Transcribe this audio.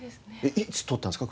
いつ取ったんですか？